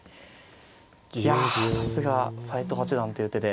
いやさすが斎藤八段っていう手で。